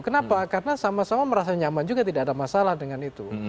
kenapa karena sama sama merasa nyaman juga tidak ada masalah dengan itu